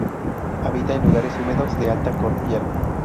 Habita en lugares húmedos de la alta cordillera.